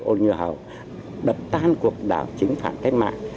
số bảy ô nhu hầu đập tan cuộc đảo chính phản cách mạng